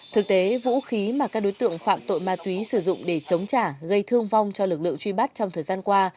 thực tế vũ khí mà các đối tượng phạm tội ma túy sử dụng để chống trả gây thương vong cho lực lượng truy bắt trong thời gian qua